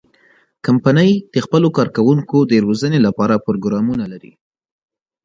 کمپنۍ د خپلو کارکوونکو د روزنې لپاره پروګرامونه لري.